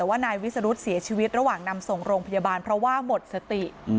ว่านายวิสรุธเสียชีวิตระหว่างนำส่งโรงพยาบาลเพราะว่าหมดสติ